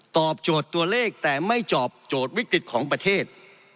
ตอบโจทย์ตัวเลขแต่ไม่ตอบโจทย์วิกฤตของประเทศ